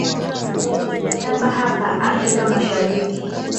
saba hapa afrika mashariki